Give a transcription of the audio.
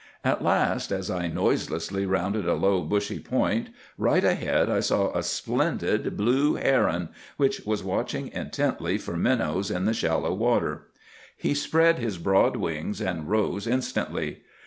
"At last, as I noiselessly rounded a low bushy point, right ahead I saw a splendid blue heron, which was watching intently for minnows in the shallow water. He spread his broad wings and rose instantly.